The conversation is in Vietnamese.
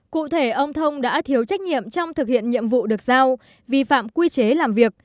cụ thể ông thông đã thiếu trách nhiệm trong thực hiện nhiệm vụ được giao vi phạm quy chế làm việc